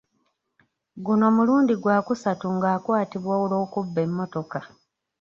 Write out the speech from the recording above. Guno mulundi gwa kusatu ng'akwatibwa olw'okubba emmotoka.